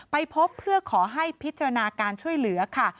ไปพบเพื่อขอให้พิจารณาการช่วยเหลือค่ะ